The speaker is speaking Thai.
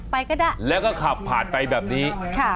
ไปก็ได้แล้วก็ขับผ่านไปแบบนี้ค่ะ